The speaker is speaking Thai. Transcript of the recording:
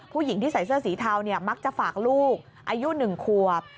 ผู้หญิงที่ใส่เสื้อสีเทามักจะฝากลูกอายุ๑ขวบ